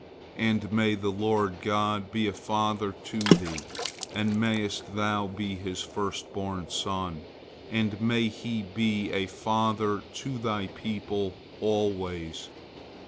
And may the Lord God be a father to thee, and mayest thou be His first born son, and may He be a father to thy people always.